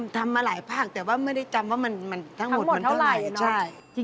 ทำมาหลายภาคแต่ว่าไม่ได้จำว่ามันทั้งหมดมันเท่าไหร่เนอะ